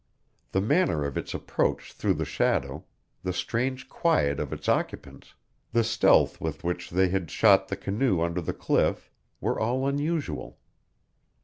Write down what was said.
The manner of its approach through the shadow, the strange quiet of its occupants, the stealth with which they had shot the canoe under the cliff, were all unusual.